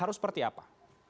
harus seperti apa